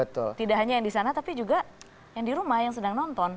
tidak hanya yang di sana tapi juga yang di rumah yang sedang nonton